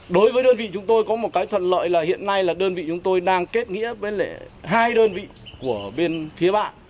đối với đơn vị chúng tôi có một cái thuận lợi là hiện nay là đơn vị chúng tôi đang kết nghĩa với hai đơn vị của bên phía bạn